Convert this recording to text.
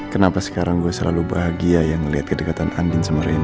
kenapa sekarang gue selalu bahagia yang ngeliat kedekatan andin sama raina